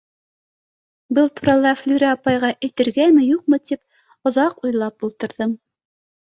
Был турала Флүрә апайға әйтергәме-юҡмы тип оҙаҡ уйлап ултырҙым.